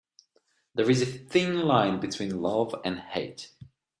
There is a thin line between love and hate.